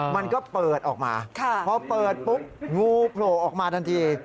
มันก็เปิดออกมาพอเปิดปุ๊บงูโผล่ออกมาทันที